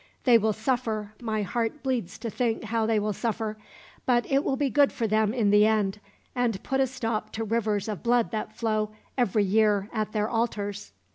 They will suffer my heart bleeds to think how they will suffer but it will be good for them in the end, and put a stop to rivers of blood that flow, every year, at their altars."